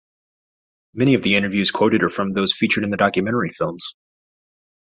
Many of the interviews quoted are from those featured in the documentary films.